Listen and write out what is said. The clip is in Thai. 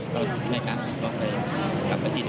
ก็ไม่กลับออกไปกลับไปที่เดิม